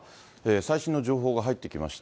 最新の情報が入ってきまして。